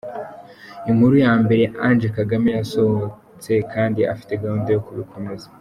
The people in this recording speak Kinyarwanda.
Inkuru ya mbere ya Ange Kagame yasohotse kandi afite gahunda yo kubikomeza.